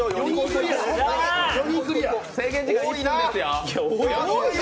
制限時間１分ですよ。